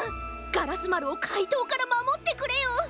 ガラスまるをかいとうからまもってくれよ。